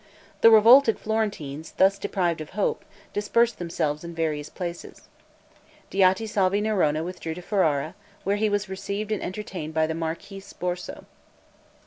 The revolted Florentines, thus deprived of hope, dispersed themselves in various places. Diotisalvi Neroni withdrew to Ferrara, where he was received and entertained by the Marquis Borso.